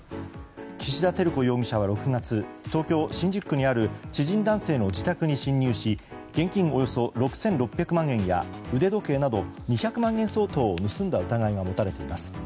岸田照子容疑者は６月東京・新宿区にある知人男性の自宅に侵入し現金６６００万円や腕時計など２００万円相当を盗んだ疑いが持たれています。